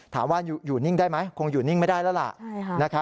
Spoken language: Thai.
ถามว่าอยู่นิ่งได้ไหมคงอยู่นิ่งไม่ได้แล้วล่ะ